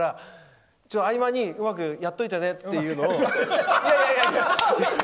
だから、合間にうまくやっておいてねっていうのを。